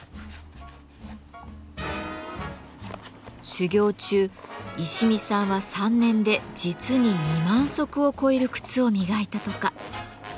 修業中石見さんは３年で実に２万足を超える靴を磨いたとか。